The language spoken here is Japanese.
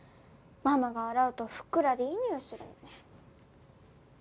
ママが洗うとふっくらでいいにおいするのに。